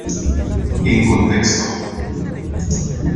En contexto.